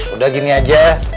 udah gini aja